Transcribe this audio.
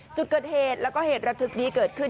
จุดเกิดเหตุแล้วก็เหตุระทึกนี้เกิดขึ้น